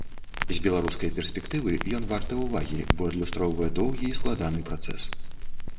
З беларускай перспектывы ён варты ўвагі, бо адлюстроўвае доўгі і складаны працэс.